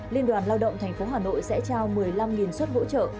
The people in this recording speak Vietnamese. liên đoàn lao động tp hà nội sẽ trao một mươi năm xuất hỗ trợ